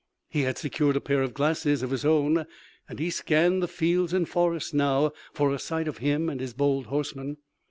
He had secured a pair of glasses of his own and he scanned the fields and forests now for a sight of him and his bold horsemen.